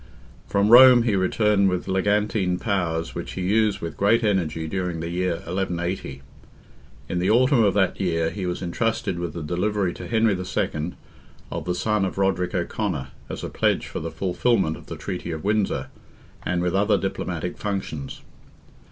From Rome he returned with legantine powers which he used with great energy during the year 1180. In the autumn of that year, he was entrusted with the delivery to Henry II. of the son of Roderick O'Conor, as a pledge for the fulfilment of the treaty of Windsor, and with other diplomatic functions.